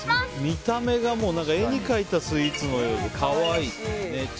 見た目がもう絵に描いたスイーツのようで可愛い。